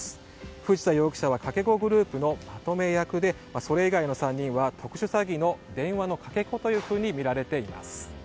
藤田容疑者はかけ子グループのまとめ役でそれ以外の３人は特殊詐欺の電話のかけ子と見られています。